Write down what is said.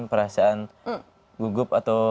perasaan gugup atau